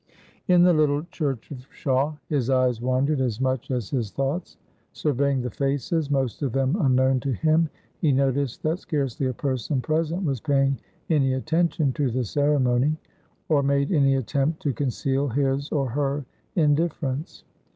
In the little church of Shawe, his eyes wandered as much as his thoughts. Surveying the faces, most of them unknown to him, he noticed that scarcely a person present was paying any attention to the ceremony, or made any attempt to conceal his or her indifference.